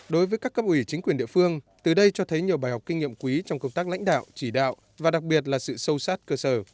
đối với các cấp ủy chính quyền địa phương từ đây cho thấy nhiều bài học kinh nghiệm quý trong công tác lãnh đạo chỉ đạo và đặc biệt là sự sâu sát cơ sở